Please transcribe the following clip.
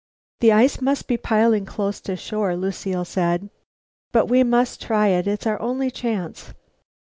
"The ice must be piling close to shore," said Lucile, "but we must try it. It's our only chance."